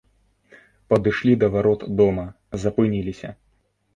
Падышлі да варот дома, запыніліся.